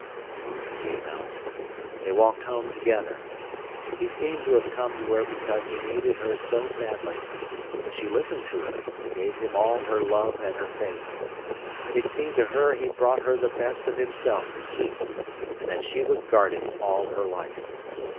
The moon came out: they walked home together: he seemed to have come to her because he needed her so badly, and she listened to him, gave him all her love and her faith. It seemed to her he brought her the best of himself to keep, and that she would guard it all her life.